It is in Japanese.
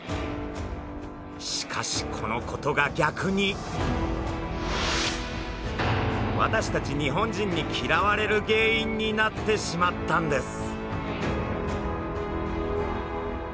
しかしこのことが逆に私たち日本人に嫌われる原因になってしまったんです。